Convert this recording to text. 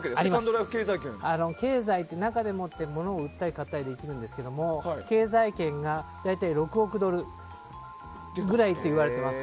中で物を売ったり買ったりできるんですけど経済圏が大体６億ドルぐらいといわれています。